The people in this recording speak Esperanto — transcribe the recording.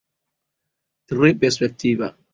Tre perspektiva.